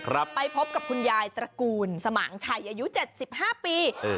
ไปพบกับคุณยายตระกูลสมางชัยอายุเจ็ดสิบห้าปีเออ